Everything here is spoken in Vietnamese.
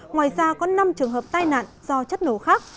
ngoài ra có năm trường hợp tai nạn do chất nổ khác